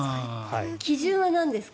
基準はなんですか？